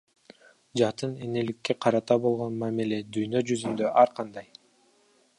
Жатын энеликке карата болгон мамиле дүйнө жүзүндө ар кандай.